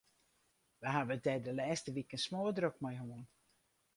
Wy hawwe it der de lêste wiken smoardrok mei hân.